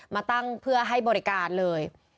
มาตั้งเพื่อให้บริการเลย